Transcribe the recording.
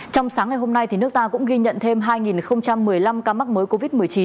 trong sáng ngày hôm nay nước ta cũng ghi nhận thêm hai một mươi năm ca mắc mới covid một mươi chín